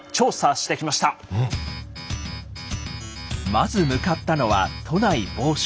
まず向かったのは都内某所。